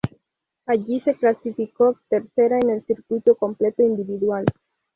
Allí se clasificó tercera en el circuito completo individual.